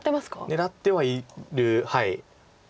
狙ってはいるはい。